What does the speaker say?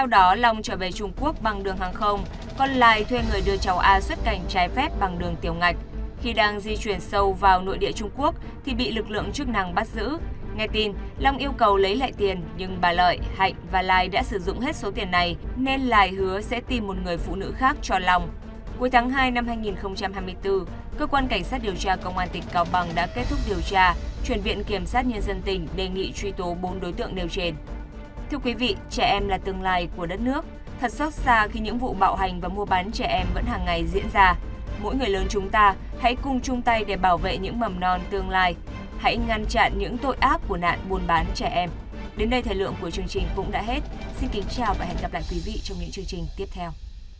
đến đây thời lượng của chương trình cũng đã hết xin kính chào và hẹn gặp lại quý vị trong những chương trình tiếp theo